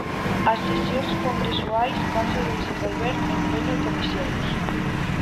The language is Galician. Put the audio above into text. As sesións congresuais vanse desenvolver en pleno e comisións.